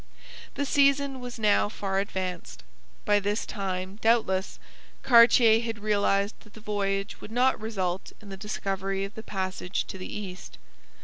The season was now far advanced. By this time, doubtless, Cartier had realized that the voyage would not result in the discovery of the passage to the East.